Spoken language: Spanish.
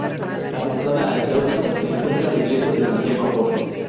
Adosada al claustro se encuentra la Iglesia de Santiago Apóstol.